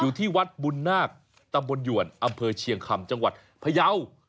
อยู่ที่วัดบุญนาคตำบลหยวนอำเภอเชียงคำจังหวัดพยาว